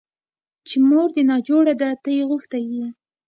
چې مور دې ناجوړه ده ته يې غوښتى يې.